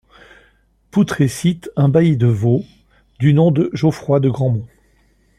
Poudret cite un bailli de Vaud du nom de Geoffroy de Grandmont.